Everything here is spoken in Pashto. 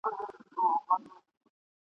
چي ورته ناست دوستان یې !.